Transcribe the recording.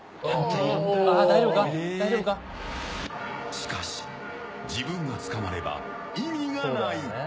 しかし、自分が捕まれば意味がない。